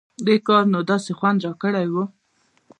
دې کار نو داسې خوند راکړى و.